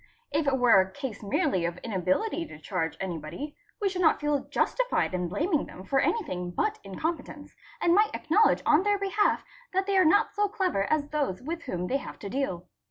If it were a case merely of inability to charge anybody, we should not feel justified in blaming them for anything but incompetence, and might acknowledge on their behalf that they are not so clever as those with whom they have to deal.